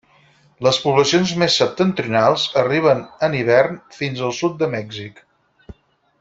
Les poblacions més septentrionals arriben en hivern fins al sud de Mèxic.